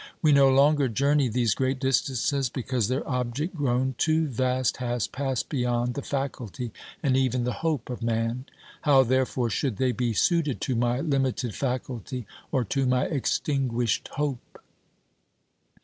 We no longer journey these great distances because their object, grown too vast, has passed beyond the faculty and even the hope of man ; how, therefore, should they be suited to my limited faculty or to my extinguished hope?